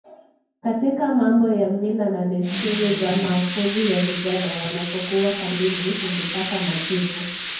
katika mambo ya mila na desturi za makuzi ya vijana Wanapokuwa kambini hujipaka majivu